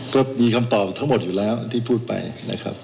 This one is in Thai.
ก็มีคำตอบทั้งหมดอยู่แล้วที่พูดไปนะครับ